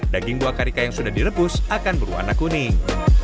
daging buah karika yang sudah direbus akan berwarna kuning